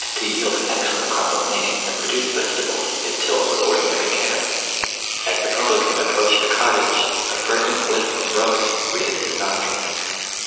247 to yield an excellent crop of maize, and produce vege tables, if tilled with ordinary care. As the publican approached the cottage a fragrant whiflf of roast greeted his nostrils.